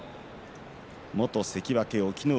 元関脇隠岐の海